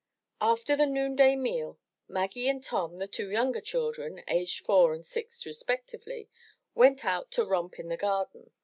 After the noon day meal, Maggie and Tom, the two younger children, aged four and six respectively, went out to romp in the garden.